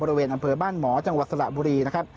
บริเวณอำเภอบ้านหมอจังหวัดสระบุรีนะครับ